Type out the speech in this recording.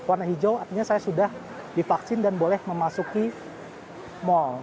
artinya saya sudah divaksin dan boleh memasuki mal